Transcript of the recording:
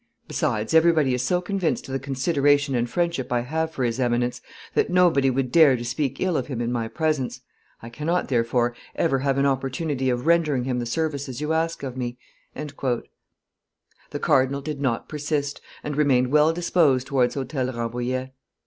Besides, everybody is so convinced of the consideration and friendship I have for his Eminence that nobody would dare to speak ill of him in my presence; I cannot, therefore, ever have an opportunity of rendering him the services you ask of me." The cardinal did not persist, and remained well disposed towards Hotel Rambouillet.